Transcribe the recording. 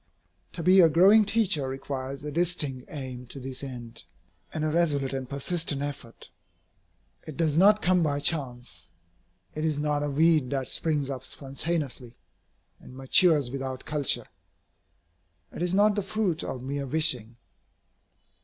To be a growing teacher requires a distinct aim to this end, and a resolute and persistent effort. It does not come by chance. It is not a weed that springs up spontaneously, and matures without culture. It is not the fruit of mere wishing.